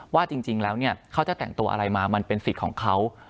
ว่าจริงแล้วเขาจะแต่งตัวอะไรมามันเป็นสิทธิ์ของเขา